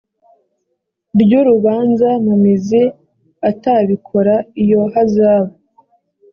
ry urubanza mu mizi atabikora iyo hazabu